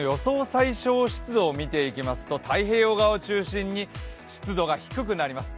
最小湿度を見ていきますと太平洋側を中心に湿度が低くなります。